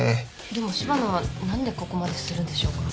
でも柴野は何でここまでするんでしょうか？